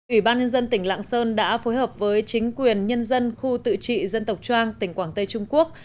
ủy ban nhân dân tỉnh lạng sơn đã phối hợp với chính quyền nhân dân khu tự trị dân tộc trang tỉnh quảng tây trung quốc